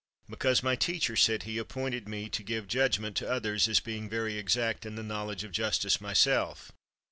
" Because my teacher," said he, " appointed me to give judgment to others, as being very exact in the knowledge of justice myself.